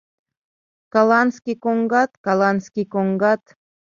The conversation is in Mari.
Каланский коҥгат, каланский коҥгат